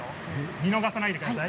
見逃さないでください。